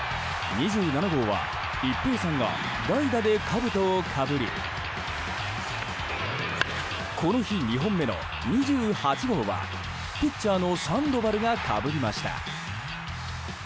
２７号は一平さんが代打でかぶとをかぶりこの日、２本目の２８号はピッチャーのサンドバルがかぶりました。